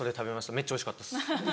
めっちゃおいしかったです。